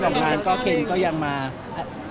ถ้าก็กลับปกติค่ะลงรูปปกติ